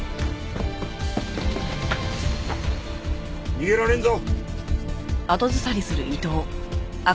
逃げられんぞ！